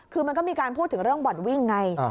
คือมันก็มีการพูดถึงเรื่องบ่อนวิ่งไง